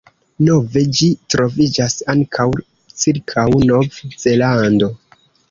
Nove ĝi troviĝas ankaŭ cirkaŭ Nov-Zelando.